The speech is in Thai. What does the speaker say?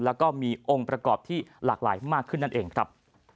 แล้วก็มีองค์ประกอบที่หลากหลายมากขึ้นนั่นเองครับ